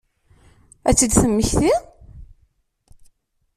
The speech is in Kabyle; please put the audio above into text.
Ad tt-id-temmekti?